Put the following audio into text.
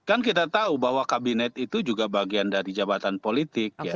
kan kita tahu bahwa kabinet itu juga bagian dari jabatan politik ya